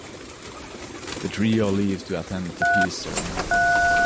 The trio leave to attend the peace ceremony.